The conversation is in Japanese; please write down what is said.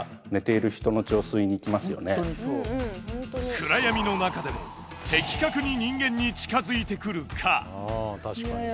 暗闇の中でも的確に人間に近づいてくる蚊。